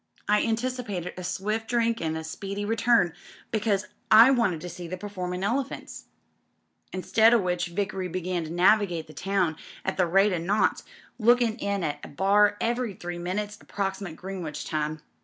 I anticipated a swift drink an' a speedy return, because I wanted to see the performin' elephants. Instead o' which Vickery began to navigate the town at the rate^ o' knots, lookin' in at a bar every three minutes ap proximate Greenwich time.